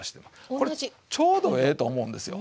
これちょうどええと思うんですよ。